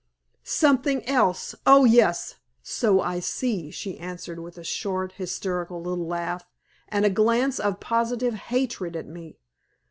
"Something else! Oh, yes! so I see," she answered, with a short, hysterical little laugh, and a glance of positive hatred at me.